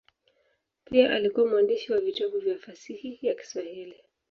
Pia alikuwa mwandishi wa vitabu vya fasihi ya Kiswahili.